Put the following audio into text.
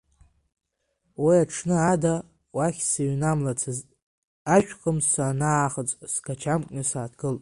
Уи аҽны ада уахь сыҩнамлацызт, ашәхымс санаахыҵ сгачамкны сааҭгылт…